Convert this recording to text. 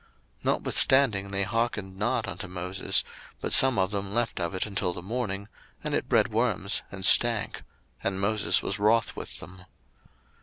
02:016:020 Notwithstanding they hearkened not unto Moses; but some of them left of it until the morning, and it bred worms, and stank: and Moses was wroth with them.